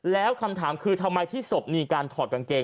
แล้วคำถามคือทำไมที่ศพมีการถอดกางเกง